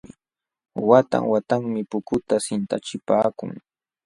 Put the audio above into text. Watan watanmi pukuta sintachipaakun.